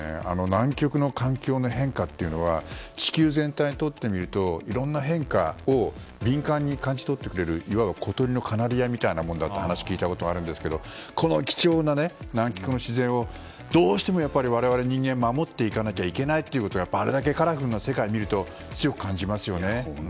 南極の環境の変化というのは地球全体にとってみるといろんな変化を敏感に感じ取ってくれるいわば小鳥のカナリアみたいなもんだという話を聞いたことがあるんですがこの貴重な南極の自然をどうしてもわれわれ人間が守っていかなきゃいけないとあれだけカラフルな世界を見ると強く感じますね。